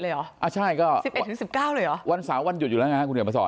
๑๑๑๙เลยเหรอวัน๓วันหยุดอยู่แล้วนะครับคุณเห็นประสอร์ต